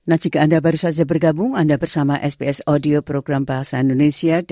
anda bersama sbs bahasa indonesia